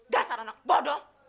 dasar anak bodoh